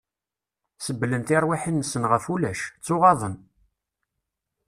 Sebblen tirwiḥin-nsen ɣef ulac... ttuɣaḍen!